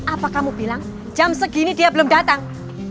apa kamu bilang jam segini dia belum datang